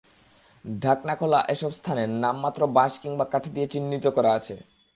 ঢাকনা খোলা এসব স্থানে নামমাত্র বাঁশ কিংবা কাঠ দিয়ে চিহ্নিত করা আছে।